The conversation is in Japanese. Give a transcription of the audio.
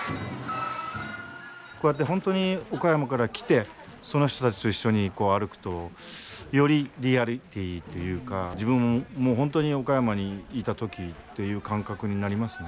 こうやって本当に岡山から来てその人たちと一緒に歩くとよりリアリティーというか自分も本当に岡山にいた時という感覚になりますね。